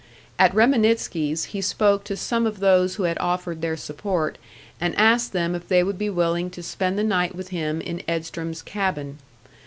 At Reminitsky's, he spoke to some of those who had offered their support, and asked them if they would be willing to spend the night with him in Edstrom's cabin.